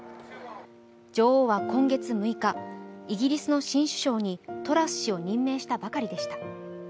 女王は今月６日イギリスの新首相にトラス氏を任命したばかりでした。